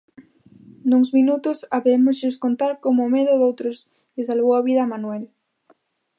Nuns minutos habémoslles contar como o medo doutros lle salvou a vida a Manuel.